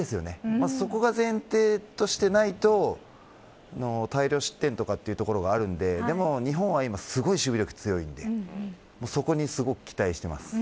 まず、そこが前提としてないと大量失点ということがあるのででも、日本は今守備力がすごく強いのでそこにすごく期待しています。